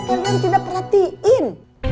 kalian tidak perhatiin